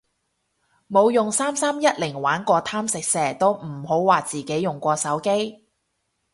冇用三三一零玩過貪食蛇都唔好話自己用過手機